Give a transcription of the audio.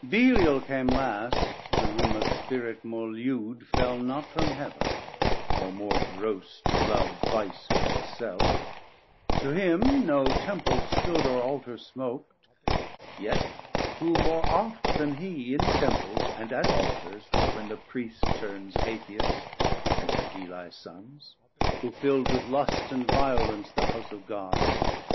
Belial came last, then whom a Spirit more lewd 490 Fell not from Heaven, or more gross to love Vice for it self: To him no Temple stood Or Altar smoak'd; yet who more oft then hee In Temples and at Altars, when the Priest Turns Atheist, as did Ely's Sons, who fill'd With lust and violence the house of God.